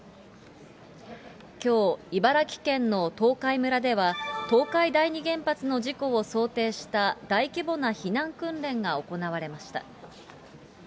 きょう、茨城県の東海村では、東海第二原発の事故を想定した大規模な避難訓練が行われました。